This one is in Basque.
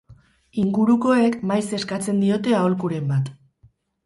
Ingurukoek maiz eskatzen diote ahokuren bat.